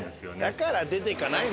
だから出ていかないのよ